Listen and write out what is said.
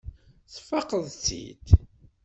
Tesfaqeḍ-tt-id.